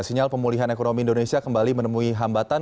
sinyal pemulihan ekonomi indonesia kembali menemui hambatan